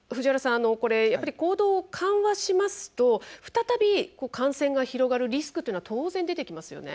あのこれやっぱり行動を緩和しますと再び感染が広がるリスクというのは当然出てきますよね。